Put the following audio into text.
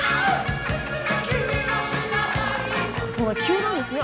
急なんですね